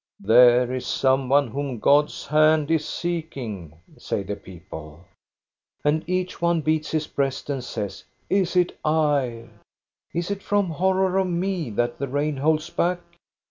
" There is some one whom God's hand is seeking 1 " say the people. And each one beats his breast and says :" Is it I ? Is it from horror of me that the rain holds back?